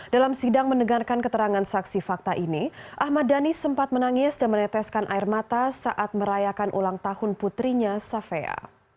dalam sidang mendengarkan keterangan saksi fakta ini ahmad dhani sempat menangis dan meneteskan air mata saat merayakan ulang tahun putrinya safea